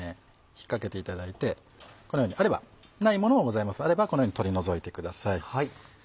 引っかけていただいてこのようにあればないものもございますあればこのように取り除いてください。